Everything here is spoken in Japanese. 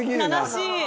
悲しい！